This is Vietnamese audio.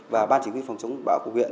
và ban chỉ huy phòng chống bão của huyện